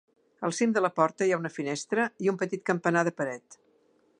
Al cim de la porta hi ha una finestra i un petit campanar de paret.